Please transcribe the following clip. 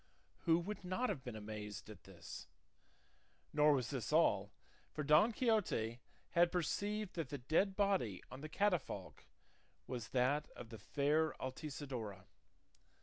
Who would not have been amazed at this? Nor was this all, for Don Quixote had perceived that the dead body on the catafalque was that of the fair Altisidora.